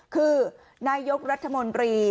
คือนายกรัฐมนตรี